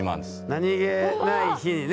何気ない日にね。